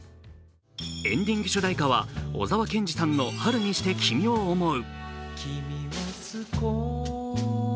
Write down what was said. エンディング主題歌は、小沢健二さんの「春にして君を想う」。